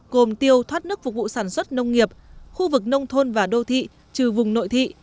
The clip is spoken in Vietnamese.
gồm tiêu thoát nước phục vụ sản xuất nông nghiệp khu vực nông thôn và đô thị trừ vùng nội thị